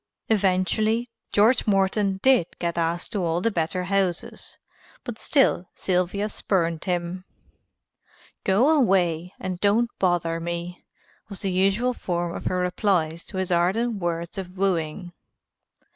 Eventually, George Morton did get asked to all the better houses, but still Sylvia spurned him. "Go away and don't bother me," was the usual form of her replies to his ardent words of wooing.